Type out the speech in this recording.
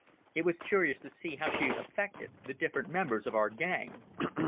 It was curious to see how she affected the different members of our gang.